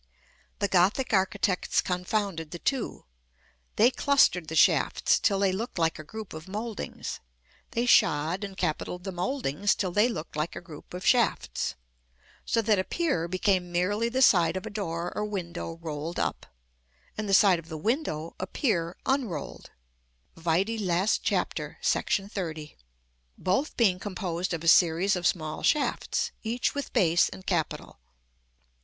The Gothic architects confounded the two. They clustered the shafts till they looked like a group of mouldings. They shod and capitaled the mouldings till they looked like a group of shafts. So that a pier became merely the side of a door or window rolled up, and the side of the window a pier unrolled (vide last Chapter, § XXX.), both being composed of a series of small shafts, each with base and capital.